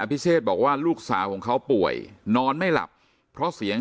พิเศษบอกว่าลูกสาวของเขาป่วยนอนไม่หลับเพราะเสียง